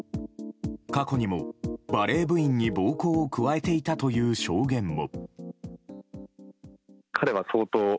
過去にもバレー部員に暴行を加えていたという証言も。